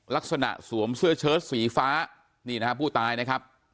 ลักษณะสวมเสื้อเชิดสีฟ้านี่นะครับผู้ตายนะครับ